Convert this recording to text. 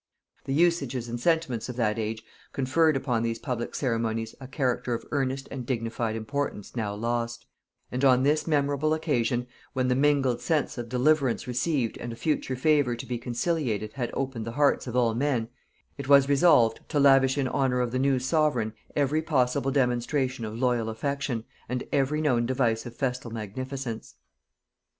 The usages and sentiments of that age conferred upon these public ceremonials a character of earnest and dignified importance now lost; and on this memorable occasion, when the mingled sense of deliverance received and of future favor to be conciliated had opened the hearts of all men, it was resolved to lavish in honor of the new sovereign every possible demonstration of loyal affection, and every known device of festal magnificence.